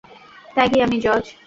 ত্যাগী, আমি জজ।